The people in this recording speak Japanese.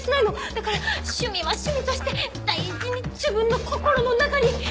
だから趣味は趣味として大事に自分の心の中に。